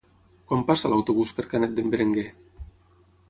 Quan passa l'autobús per Canet d'en Berenguer?